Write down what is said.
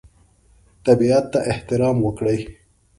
طبیعت ته احترام وکړئ.